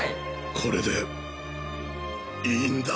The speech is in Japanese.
これでいいんだ